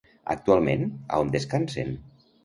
Actualment, a on descansen?